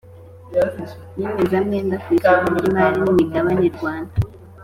nyemezamwenda ku isoko ry imari n’ imigabane Rwanda